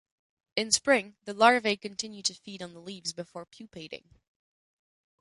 In spring, the larvae continue to feed on the leaves before pupating.